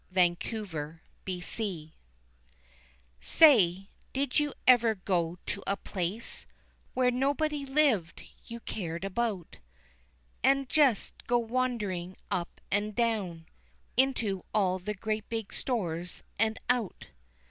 Hollyhocks Say, did you ever go to a place Where nobody lived you cared about, An' jest go wanderin' up an' down, Into all the great big stores, an' out.